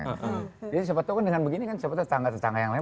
jadi siapa tau kan dengan begini kan siapa tau tetangga tetangga yang lain